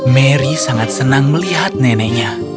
mary sangat senang melihat neneknya